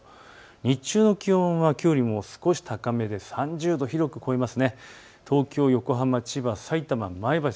日中の気温はきょうより少し高めで３０度広く超えます。